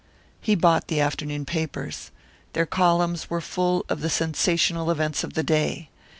He bought the afternoon papers. Their columns were full of the sensational events of the day.